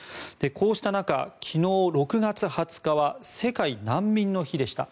こうした中、昨日６月２０日は世界難民の日でした。